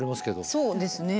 そうですね。